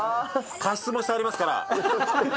加湿もしてありますから。